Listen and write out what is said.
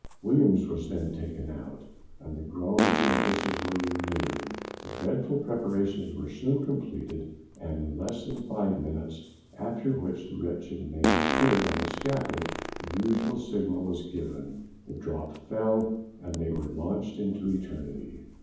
Williams was then taken out, and the groans and hisses were renewed. The dreadful preparations were soon completed, and in less than five minutes after the wretched men appeared on the scaffold the usual signal was given, the drop fell, and they were launched into eternity.